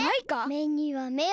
めにはめを。